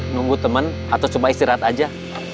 nunggu temen atau coba istirahat aja